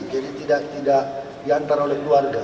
jadi tidak diantar oleh keluarga